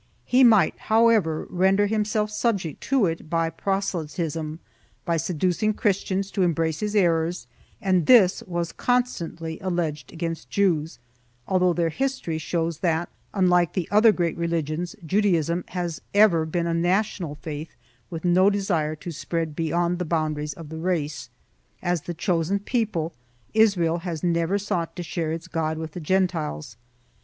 He might, however, render himself , subject to it by proselytism, by seducing Christians to embrace his errors, and this was constantly alleged against Jews, although their history shows that, unlike the other great religions, Judaism has ever been a national faith with no desire to spread beyond the boundaries of the race. As the chosen people, Israel has 1 Amador de los Rios, III, 234. CHAP. Ill] EXPULSION OF JEWS CONSIDERED 131 never sought to share its God with the Gentiles.